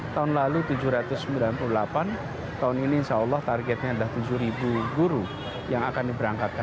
tahun lalu tujuh ratus sembilan puluh delapan tahun ini insya allah targetnya adalah tujuh guru yang akan diberangkatkan